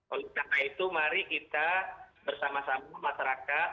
oleh karena itu mari kita bersama sama masyarakat